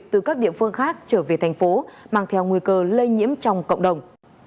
từ các địa phương khác trở về thành phố mang theo nguy cơ lây nhiễm trong cộng đồng